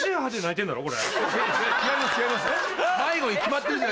違います